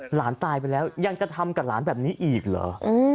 หลานตายไปแล้วยังจะทำกับหลานแบบนี้อีกเหรอ